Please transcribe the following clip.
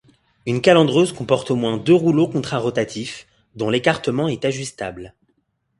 Une calandreuse comporte au moins deux rouleaux contrarotatifs, dont l'écartement est ajustable.